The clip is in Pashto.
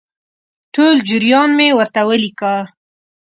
ټول جریان مې ورته ولیکه.